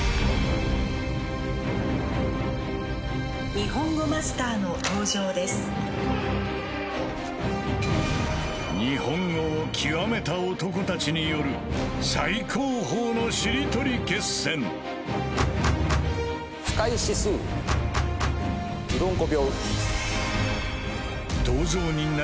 ・日本語マスターの登場です・日本語を極めた男たちによる最高峰のしりとり決戦たちが挑むイツマデモツカ？